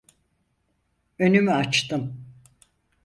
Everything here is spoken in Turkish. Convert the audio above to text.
Önümü açtım…